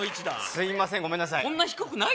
すいませんごめんなさい